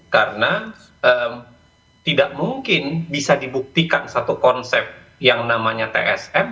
karena tidak mungkin bisa dibuktikan satu konsep yang namanya tsm